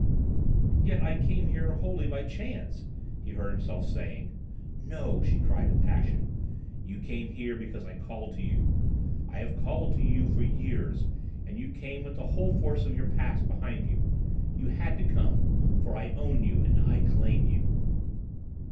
"Yet I came here wholly by chance—" he heard himself saying. "No," she cried with passion, "you came here because I called to you. I have called to you for years, and you came with the whole force of the past behind you. You had to come, for I own you, and I claim you."